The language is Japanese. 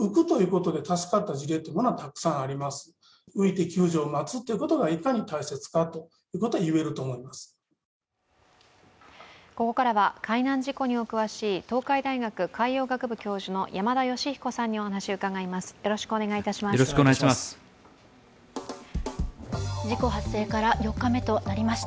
ここからは海難事故にお詳しい東海大学海洋学部教授の山田吉彦さんにお話を伺います。